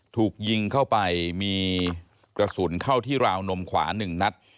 ถูกยิงเข้าไปมีกระสุนเข้าที่ราวนมขวา๑นัด